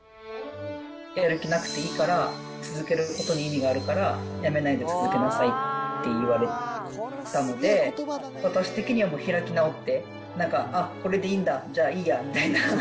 やる気なくていいから、続けることに意味があるから、やめないで続けなさいって言われたので、私的にはもう開き直って、なんか、あっ、これでいいんだ、じゃあいいやみたいな。